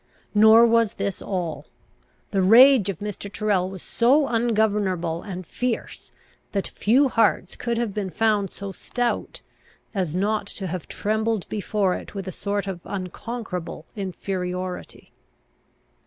Nor was this all. The rage of Mr. Tyrrel was so ungovernable and fierce, that few hearts could have been found so stout, as not to have trembled before it with a sort of unconquerable inferiority.